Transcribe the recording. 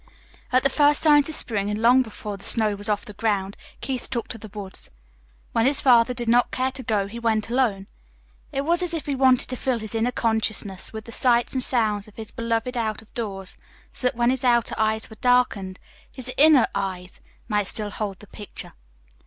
At the first signs of spring, and long before the snow was off the ground, Keith took to the woods. When his father did not care to go, he went alone. It was as if he wanted to fill his inner consciousness with the sights and sounds of his beloved out of doors, so that when his outer eyes were darkened, his inner eyes might still hold the pictures.